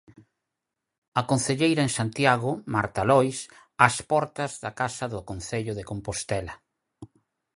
A concelleira en Santiago, Marta Lois, ás portas da Casa do Concello de Compostela.